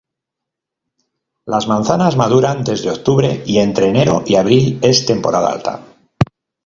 Las manzanas maduran desde octubre y entre enero y abril es temporada alta.